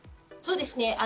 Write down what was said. そうですね。